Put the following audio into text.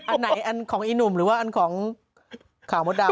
อันไหนอันของอีหนุ่มหรือของขาวมดดาก